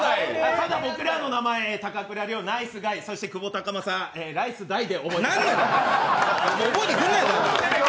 ただ、僕らの名前、高倉陵ナイスガイ、そして久保孝真、ライス大で覚えてください。